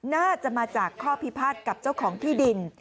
น่าจะมาจากข้อพิพาทกับเจ้าของที่ดิน